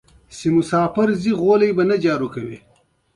هغه هغې ته د تاوده دښته ګلان ډالۍ هم کړل.